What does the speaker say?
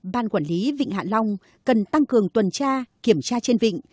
ban quản lý vịnh hạ long cần tăng cường tuần tra kiểm tra trên vịnh